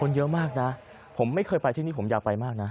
เยอะมากนะผมไม่เคยไปที่นี่ผมอยากไปมากนะ